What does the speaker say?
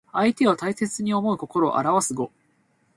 相手を大切に思う心をあらわす語。